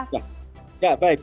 ya baik terima kasih